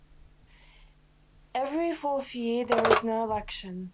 Every fourth year there is no election.